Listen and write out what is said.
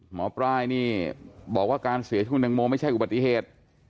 หมอปลายนี่บอกว่าการเสียชีวิตคุณตังโมไม่ใช่อุบัติเหตุ